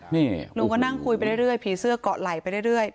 นี่หนูก็นั่งคุยไปเรื่อยผีเสื้อเกาะไหลไปเรื่อย